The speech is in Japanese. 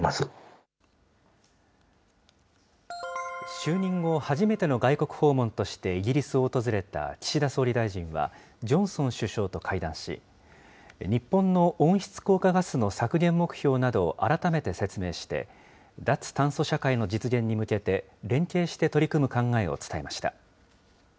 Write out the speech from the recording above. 就任後初めての外国訪問として、イギリスを訪れた岸田総理大臣は、ジョンソン首相と会談し、日本の温室効果ガスの削減目標などを改めて説明して、脱炭素社会の実現に向けて、連携して取り組む考えを伝えました。